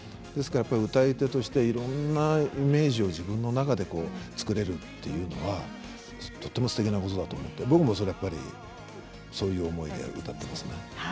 歌い手としていろんなイメージを自分の中で作れるというのはとてもすてきなことだと思って僕もそういう思いで歌っています。